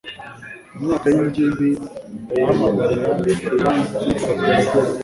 imyaka y'ingimbi irahamagarira kandi igatera ubwoba